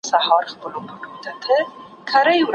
ککړې اوبه د ناروغۍ لامل کېږي.